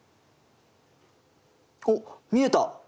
おっ見えた。